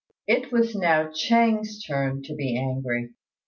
It was now Ch'êng's turn to be angry.